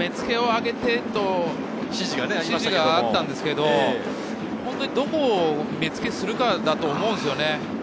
目付けをあげてと指示があったんですけれど、どこを目付けするかだと思うんです。